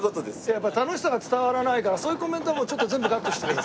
やっぱ楽しさが伝わらないからそういうコメントはもう全部カットしてください。